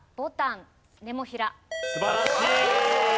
素晴らしい！